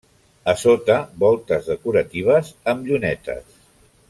A sota, voltes decoratives amb llunetes.